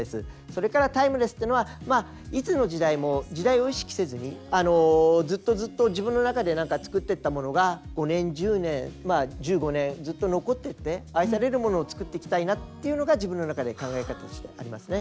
それからタイムレスっていうのはいつの時代も時代を意識せずにずっとずっと自分の中で何か作ってった物が５年１０年まあ１５年ずっと残ってって愛される物を作っていきたいなっていうのが自分の中で考え方としてありますね。